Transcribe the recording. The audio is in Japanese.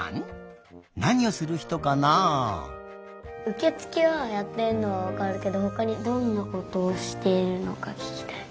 うけつけはやってんのはわかるけどほかにどんなことをしているのかききたい。